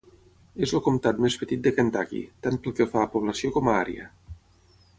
És el comtat més petit de Kentucky, tant pel que fa a població com a àrea.